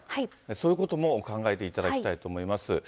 そういうことも考えていただきたいと思います。